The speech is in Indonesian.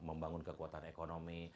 membangun kekuatan ekonomi